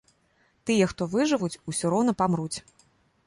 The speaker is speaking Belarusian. Тыя, хто выжывуць, усё роўна памруць.